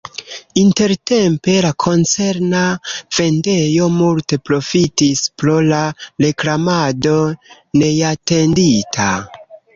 Intertempe la koncerna vendejo multe profitis pro la reklamado neatendita.